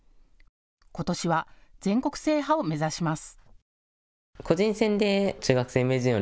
ことしは全国制覇を目指します。